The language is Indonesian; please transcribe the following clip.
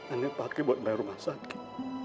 aneh pake buat bayar rumah sakit